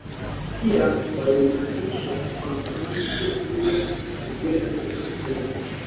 Pia walimaanisha kwamba mtu huyo hupendwa na Mungu